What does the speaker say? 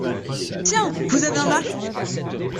Tiens ! vous avez un mari ?